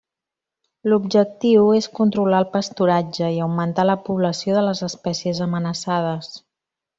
L'objectiu és controlar el pasturatge, i augmentar la població de les espècies amenaçades.